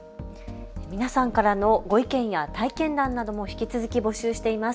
皆さんからのご意見や体験談なども引き続き募集しています。